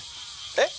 「えっ？」。